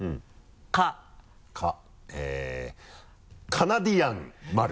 カナディアンマル。